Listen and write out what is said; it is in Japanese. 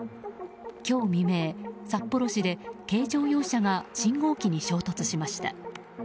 今日未明、札幌市で軽乗用車が信号機に衝突しました。